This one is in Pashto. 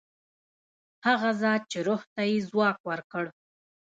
هغه ذات چې روح ته یې ځواک ورکړ.